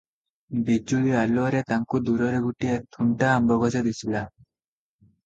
ବିଜୁଳି ଆଲୁଅରେ ତାଙ୍କୁ ଦୂରରେ ଗୋଟିଏ ଥୁଣ୍ଟା ଆମ୍ବଗଛ ଦିଶିଲା ।